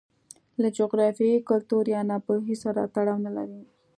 له جغرافیې، کلتور یا ناپوهۍ سره تړاو نه لري.